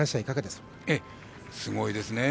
すごいですね。